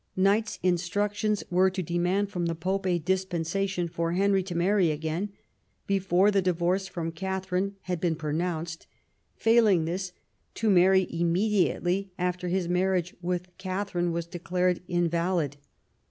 Knight's instructions were to demand from the Pope a dispensation for Henry to marry again before the divorce from Katharine had been pronounced ; fail ing this, to marry immediately after his marriage with Katharine was declared invalid.